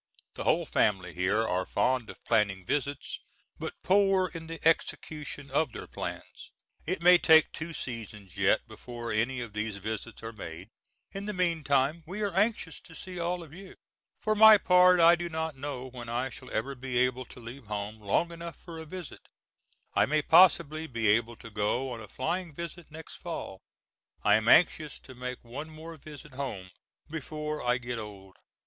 The whole family here are fond of planning visits, but poor in the execution of their plans. It may take two seasons yet before any of these visits are made; in the meantime, we are anxious to see all of you. For my part I do not know when I shall ever be able to leave home long enough for a visit. I may possibly be able to go on a flying visit next fall. I am anxious to make one more visit home before I get old.